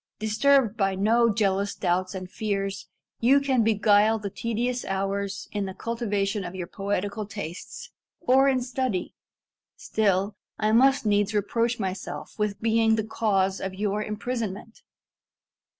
"Disturbed by no jealous doubts and fears, you can beguile the tedious hours in the cultivation of your poetical tastes, or in study. Still, I must needs reproach myself with being the cause of your imprisonment."